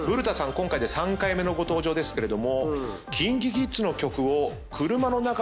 今回で３回目のご登場ですけれども。